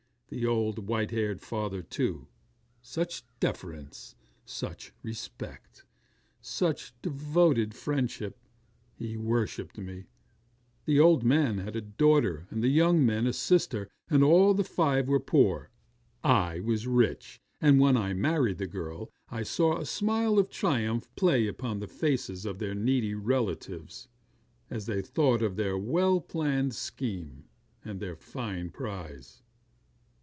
The old, white headed father, too such deference such respect such devoted friendship he worshipped me! The old man had a daughter, and the young men a sister; and all the five were poor. I was rich; and when I married the girl, I saw a smile of triumph play upon the faces of her needy relatives, as they thought of their well planned scheme, and their fine prize.